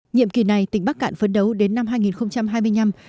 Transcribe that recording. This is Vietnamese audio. nhiệm kỳ này tỉnh bắc cạn phấn đấu đến năm hai nghìn hai mươi năm